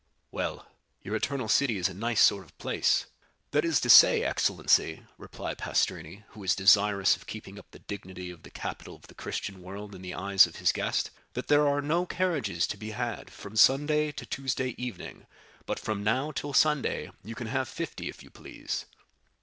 "Well, your Eternal City is a nice sort of place." "That is to say, excellency," replied Pastrini, who was desirous of keeping up the dignity of the capital of the Christian world in the eyes of his guest, "that there are no carriages to be had from Sunday to Tuesday evening, but from now till Sunday you can have fifty if you please."